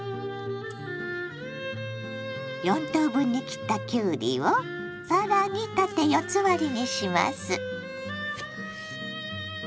４等分に切ったきゅうりを更に縦４つ割りにします。